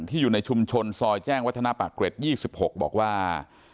อยู่ในชุมชนซอยแจ้งวัฒนาปากเกร็ด๒๖บอกว่า